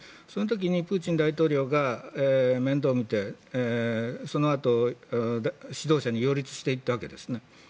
その時にプーチン大統領が面倒を見てそのあと指導者に擁立していったわけですね。